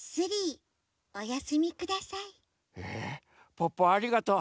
ポッポありがとう。